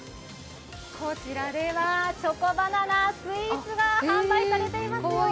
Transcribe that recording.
こちらではチョコバナナスイーツが販売されていますよ。